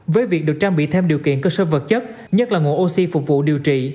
với việc được trang bị thêm điều kiện cơ sở vật chất nhất là nguồn oxy phục vụ điều trị